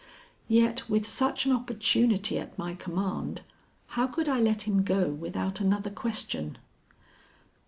Yet with such an opportunity at my command, how could I let him go without another question?